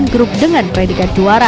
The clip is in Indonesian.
tim berjuluk dengan predikat juara